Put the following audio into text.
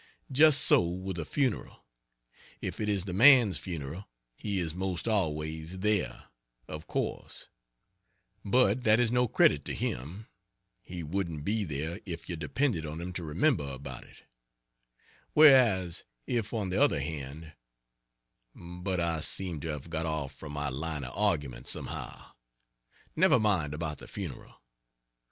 Just so with a funeral; if it is the man's funeral, he is most always there, of course but that is no credit to him, he wouldn't be there if you depended on him to remember about it; whereas, if on the other hand but I seem to have got off from my line of argument somehow; never mind about the funeral.